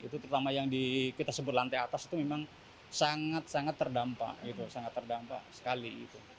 terutama yang kita sebut lantai atas itu memang sangat sangat terdampak sekali